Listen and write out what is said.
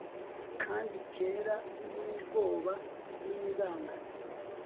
Kandi cyera nubwoba ninzangano